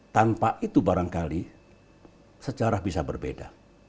tanpa itu barangkali sejarah bisa berbeda